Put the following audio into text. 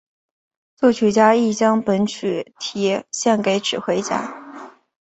作曲家亦将本曲题献给指挥家。